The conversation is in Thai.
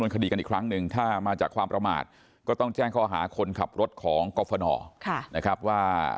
ไม่มีใครรู้เลยเพราะเราไม่ไปยุ่งเรื่องของเก้าไก่หรอกพี่